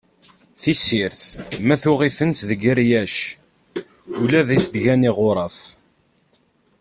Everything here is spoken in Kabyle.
Tissirt, ma tuɣ-itent deg rryac, ula i as-d-gan iɣuraf.